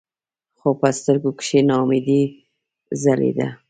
خو پۀ سترګو کښې ناامېدې ځلېده ـ